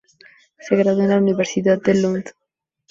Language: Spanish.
Se graduó en la Universidad de Lund.